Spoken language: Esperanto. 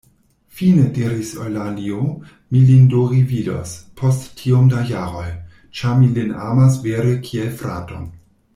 Fine, diris Eŭlalio, mi lin do revidos, post tiom da jaroj; ĉar mi lin amas vere kiel fraton.